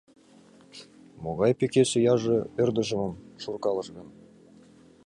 Могай пӧкес ияже ӧрдыжемым шуркалыш гын?..